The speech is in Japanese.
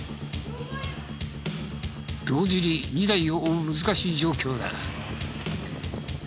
同時に２台を追う難しい状況だ。